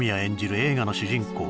映画の主人公